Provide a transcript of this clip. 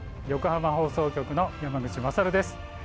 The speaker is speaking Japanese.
横浜放送局の山口勝です。